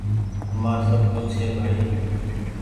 همآر سب ڪڇه ڇي ڀآئي